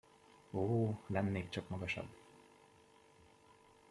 Ó, lennék csak magasabb!